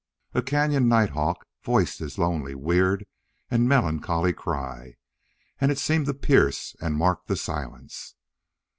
A cañon night hawk voiced his lonely, weird, and melancholy cry, and it seemed to pierce and mark the silence.